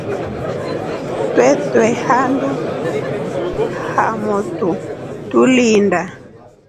Twete handu hamotu tuliindaa.